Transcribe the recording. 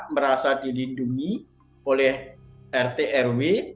merasa dilindungi oleh rt rw